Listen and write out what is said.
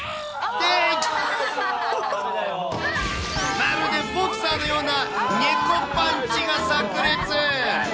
まるでボクサーのような猫パンチがさく裂。